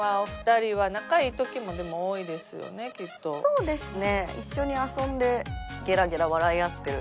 そうですね。